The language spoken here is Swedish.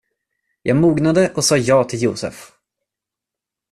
Jag mognade och sa ja till Joseph.